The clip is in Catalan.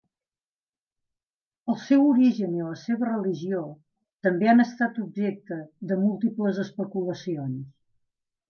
El seu origen i la seva religió, també han estat objecte de múltiples especulacions.